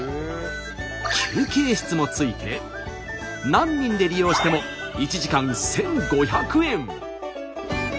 休憩室もついて何人で利用しても１時間１，５００円。